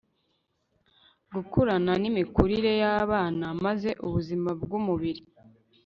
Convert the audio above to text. gukurana nimikurire yabana maze ubuzima bwumubiri